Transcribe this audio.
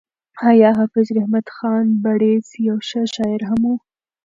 ایا حافظ رحمت خان بړیڅ یو ښه شاعر هم و؟